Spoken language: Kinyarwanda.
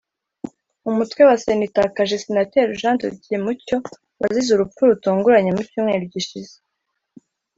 Umutwe wa Sena itakaje Senateri Jean de Dieu Mucyo wazize urupfu rutunguranye mu cyumweru gishize